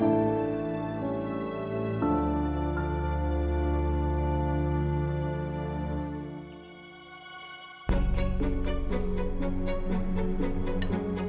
tuhan aku mau nyunggu